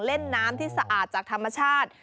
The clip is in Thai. เล่นน้ำที่สะอาดจากธรรมชาติ